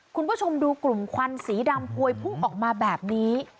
คุณผู้ชมดูกลุ่มควันสีดำพวยพุ่งออกมาแบบนี้